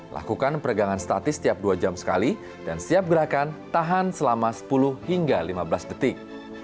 lakukan peregangan statis setiap dua jam sekali dan siap gerakan tahan selama sepuluh hingga lima belas detik